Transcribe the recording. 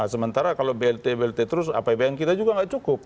sementara kalau blt blt terus apbn kita juga nggak cukup